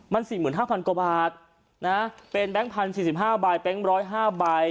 มัน๔๕๐๐๐กว่าบาทนะฮะเป็นแบงก์พันธุ์๔๕บาทแบงก์๑๐๕บาท